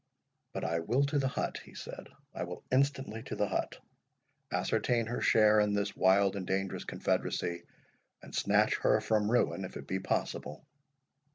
"But I will to the hut," he said—"I will instantly to the hut, ascertain her share in this wild and dangerous confederacy, and snatch her from ruin, if it be possible."